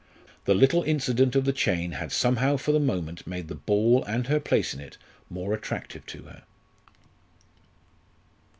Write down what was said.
The little incident of the chain had somehow for the moment made the ball and her place in it more attractive to her.